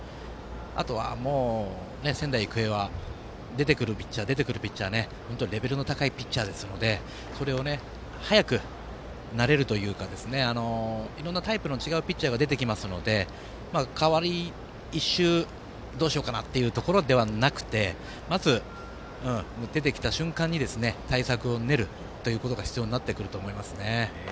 あとは、仙台育英は出てくるピッチャーがすべて本当にレベルの高いピッチャーですのでそれを早く慣れるというかいろいろなタイプの違うピッチャーが出てきますので代わってからの１周どうしようかなではなくまず出てきた瞬間に対策を練ることが必要になってくると思います。